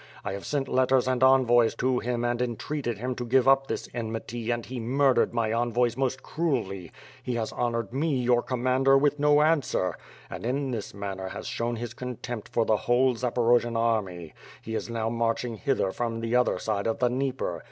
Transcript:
I have sent letters and envoys to him and entreated him to give up this enmity and he murdered my envoys most cruelly; he has honored me, your commander, with no answer; and, in this manner has shown his contempt for the whole Zaporojian army. He is now marching hither from the other side of the Dnieper.